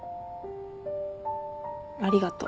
ありがとう。